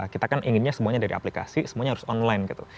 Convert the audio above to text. kita kan inginnya semuanya dari aplikasi semuanya harus online gitu